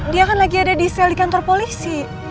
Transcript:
dia kan lagi ada di sel di kantor polisi